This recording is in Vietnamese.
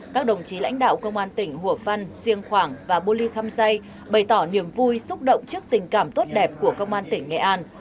các đồng chí lãnh đạo công an tỉnh hùa phân siêng khoảng và bô ly khăm say bày tỏ niềm vui xúc động trước tình cảm tốt đẹp của công an tỉnh nghệ an